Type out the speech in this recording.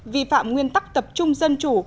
vi phạm nguyên tắc tập trung dân chủ